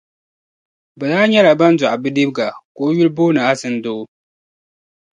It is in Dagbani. Bɛ daa nyɛla ban doɣi bidibiga ka o yuli booni Azindoo